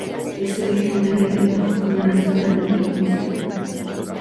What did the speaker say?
Es originaria de Afganistán y Pakistán.